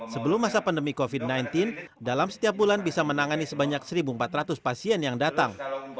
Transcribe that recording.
sebelum masa pandemi covid sembilan belas dalam setiap bulan bisa menangani sebanyak satu empat ratus pasien yang datang